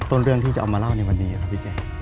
ต้นเรื่องที่จะเอามาเล่าในวันนี้ครับพี่แจ๊ค